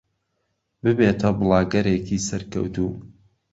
ببێتە بڵاگەرێکی سەرکەوتوو.